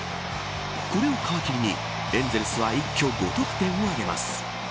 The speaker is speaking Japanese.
これを皮切りに、エンゼルスは一挙５得点を挙げます。